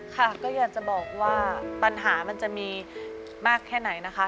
ค่ะก็อยากจะบอกว่าปัญหามันจะมีมากแค่ไหนนะคะ